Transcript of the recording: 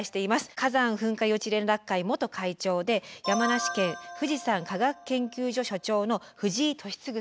火山噴火予知連絡会元会長で山梨県富士山科学研究所所長の藤井敏嗣さんです。